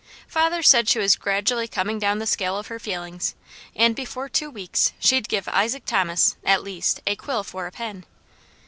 Father said she was gradually coming down the scale of her feelings, and before two weeks she'd give Isaac Thomas, at least, a quill for a pen.